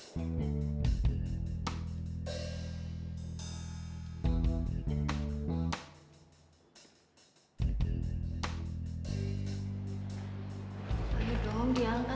boleh dong diangkat tante marissa